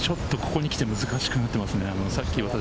ちょっとここにきて難しくなってますね。